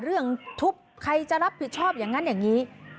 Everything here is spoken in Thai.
ทุบใครจะรับผิดชอบอย่างนั้นอย่างนี้